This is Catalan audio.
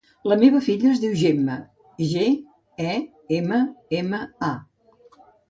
La meva filla es diu Gemma: ge, e, ema, ema, a.